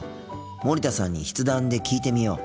森田さんに筆談で聞いてみよう。